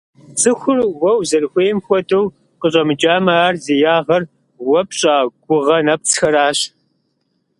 Цӏыхур уэ узэрыхуейм хуэдэу къыщӏэмыкӏамэ, ар зи ягъэр уэ пщӏа гугъэ нэпцӏхэращ.